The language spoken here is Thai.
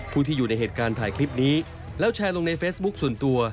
ที่อยู่ในเหตุการณ์ถ่ายคลิปนี้แล้วแชร์ลงในเฟซบุ๊คส่วนตัว